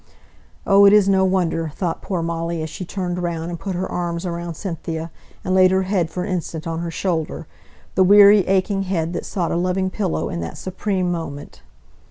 "Oh! it is no wonder!" thought poor Molly, as she turned round, and put her arms round Cynthia, and laid her head for an instant on her shoulder the weary, aching head that sought a loving pillow in that supreme moment!